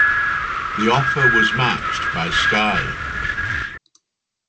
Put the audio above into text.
The offer was matched by Sky.